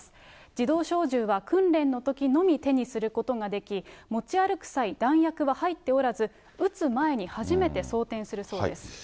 自動小銃は訓練の時のみ手にすることができ、持ち歩く際、弾薬は入っておらず、撃つ前に初めて装填するそうです。